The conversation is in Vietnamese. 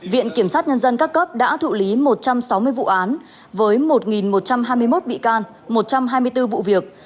viện kiểm sát nhân dân các cấp đã thụ lý một trăm sáu mươi vụ án với một một trăm hai mươi một bị can một trăm hai mươi bốn vụ việc